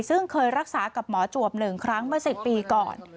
ซึ่งเคยรักษากับหมอจวบ๑ครั้งเมื่อ๑๐ปีก่อน